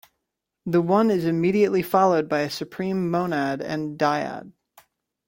The One is immediately followed by a supreme monad and dyad.